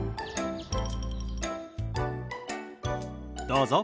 どうぞ。